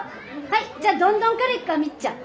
はいじゃあ「どんどん」からいくかみっちゃん。